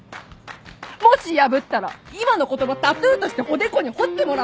もし破ったら今の言葉タトゥーとしておでこに彫ってもらうから！